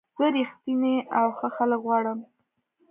زه رښتیني او ښه خلک غواړم.